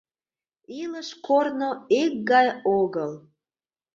Илыш корно икгай огыл…